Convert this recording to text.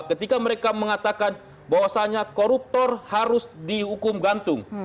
ketika mereka mengatakan bahwasannya koruptor harus dihukum gantung